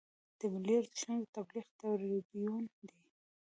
د ملي ارزښتونو د تبلیغ تربیون دی.